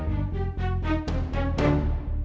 bang farben bang farben